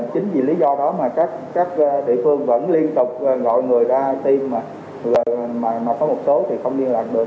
chính vì lý do đó mà các địa phương vẫn liên tục gọi người ra tin mà có một số thì không liên lạc được